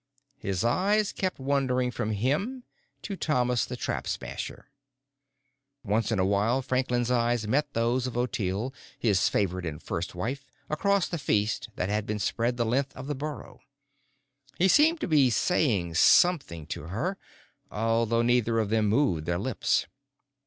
His eyes kept wandering from him to Thomas the Trap Smasher. Once in a while, Franklin's eyes met those of Ottilie, his favored and first wife, across the feast that had been spread the length of the burrow. He seemed to be saying something to her, although neither of them moved their lips.